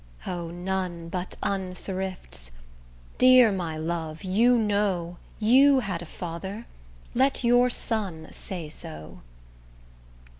O! none but unthrifts. Dear my love, you know, You had a father: let your son say so.